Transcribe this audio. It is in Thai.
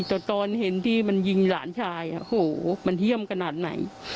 แต่ตอนเห็นที่มันยิงหลานชายโอ้โหมันเยี่ยมขนาดไหน